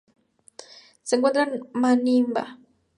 Se encuentra Namibia.